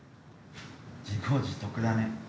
自業自得だね。